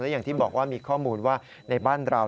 อย่างที่บอกว่ามีข้อมูลว่าในบ้านเรา